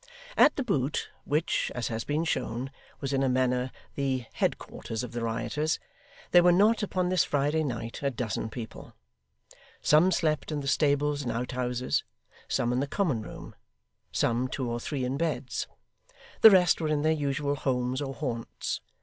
At The Boot, which, as has been shown, was in a manner the head quarters of the rioters, there were not, upon this Friday night, a dozen people. Some slept in the stable and outhouses, some in the common room, some two or three in beds. The rest were in their usual homes or haunts.